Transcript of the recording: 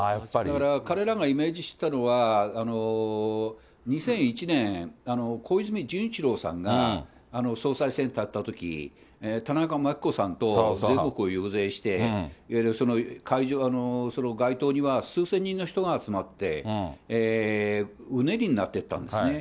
彼らがイメージしてたのは、２００１年、小泉純一郎さんが総裁選に立ったとき、田中眞紀子さんと全国を遊説して、いわゆる街頭には数千人の人が集まって、うねりになっていったんですね。